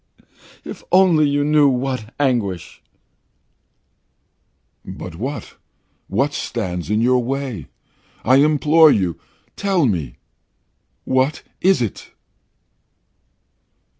if only you knew what anguish!" "But what what stands in your way? I implore you tell me! What is it?"